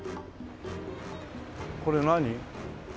これ何？